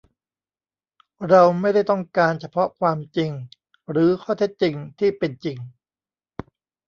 เราไม่ได้ต้องการเฉพาะความจริง หรือข้อเท็จจริงที่เป็นจริง